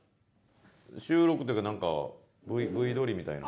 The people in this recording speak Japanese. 収録っていうか何かＶ撮りみたいな。